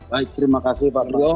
baik terima kasih pak beliau